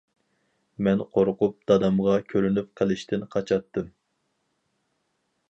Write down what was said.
مەن قورقۇپ دادامغا كۆرۈنۈپ قېلىشتىن قاچاتتىم.